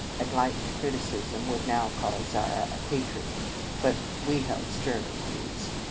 Enlightened criti cism would now call Zara a patriot; but we held sterner views.